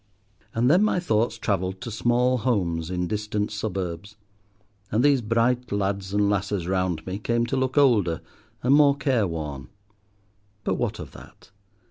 And then my thoughts travelled to small homes in distant suburbs, and these bright lads and lasses round me came to look older and more careworn. But what of that?